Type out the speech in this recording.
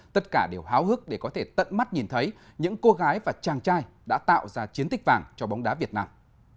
tất cả đều háo hức để có thể tận mắt nhìn thấy những cô gái và chàng trai đã tạo ra chiến tích vàng cho bóng đá việt nam